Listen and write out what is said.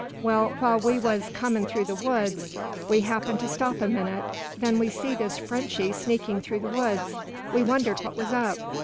"Well, while we was coming through the woods we happened to stop a minute. Then we see this Frenchy sneaking through the woods. We wondered what was up.